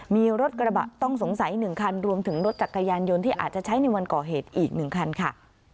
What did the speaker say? มีรถกระบะต้องสงสัย๑คันรวมถึงรถจักรยานยนต์ที่อาจจะใช้ในวันก่อเหตุอีก๑คันค่ะ